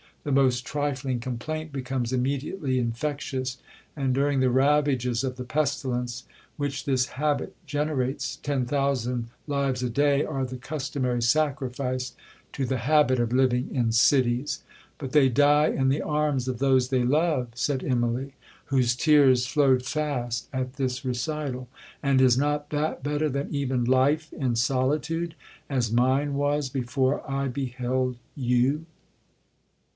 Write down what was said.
The most trifling complaint becomes immediately infectious, and, during the ravages of the pestilence, which this habit generates, ten thousand lives a day are the customary sacrifice to the habit of living in cities.'—'But they die in the arms of those they love,' said Immalee, whose tears flowed fast at this recital; 'and is not that better than even life in solitude,—as mine was before I beheld you?'